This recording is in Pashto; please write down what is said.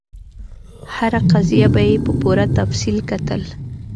هره قضیه به یې په پوره تفصیل کتل.